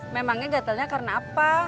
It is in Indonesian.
memangnya gatelnya karena apa